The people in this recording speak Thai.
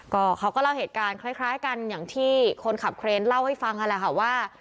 ก็เขาก็เล่าเหตุการณ์คล้ายกันอย่างที่คนขับเคลนเล่าให้ฟังว่า